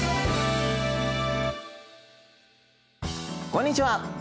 こんにちは！